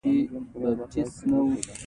زه یې د شپون صاحب وروسته یوازې په ده کې وینم.